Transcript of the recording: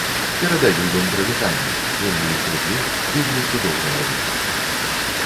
Перадаю ім прывітанне, вельмі іх люблю, вельмі цудоўныя людзі.